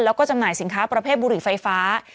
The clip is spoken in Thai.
แล้วก็จำหน่ายสินค้าประเภทบุหรี่ไฟฟ้า